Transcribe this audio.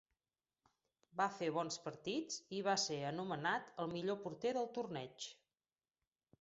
Va fer bons partits i va ser anomenat el Millor porter del torneig.